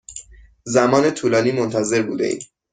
زمان طولانی منتظر بوده ایم.